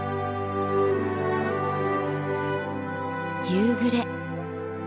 夕暮れ。